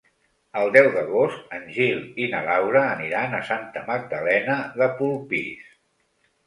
El deu d'agost en Gil i na Laura aniran a Santa Magdalena de Polpís.